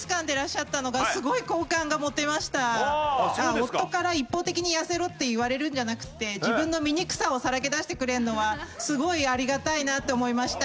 夫から一方的に痩せろって言われるんじゃなくて自分の醜さをさらけ出してくれるのはすごいありがたいなって思いました。